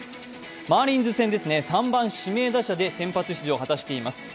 マーリンズ戦ですね、３番・指名打者で先発出場を果たしています。